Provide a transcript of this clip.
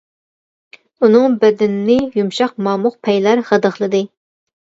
ئۇنىڭ بەدىنىنى يۇمشاق مامۇق پەيلەر غىدىقلىدى.